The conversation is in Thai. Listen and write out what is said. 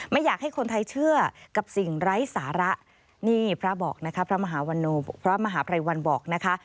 ไม่อยากให้คนไทยเชื่อกับสิ่งไร้สาระนี่พระบอกนะคะพระมหาภัยวันบอกนะคะ